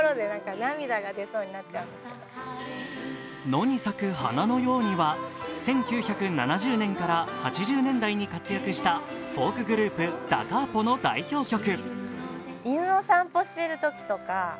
「野に咲く花のように」は１９７０年から８０年代に活躍したフォークグループ、ダ・カーポの代表曲。